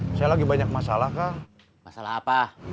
masalah kerjaan sama masalah rumah